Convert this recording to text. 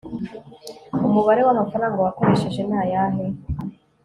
umubare w'amafaranga wakoresheje ni ayahe